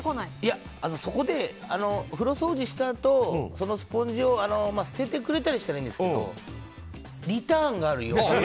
そこで風呂掃除したあとそのスポンジを捨ててくれたりしたらいいんですけどリターンがあるようで。